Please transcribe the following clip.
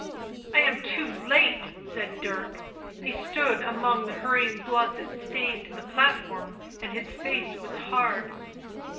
" I am too late," said Dirk; he stood among the hurrying blood that stained the platform, and his face was hard.